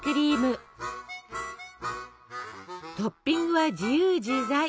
トッピングは自由自在！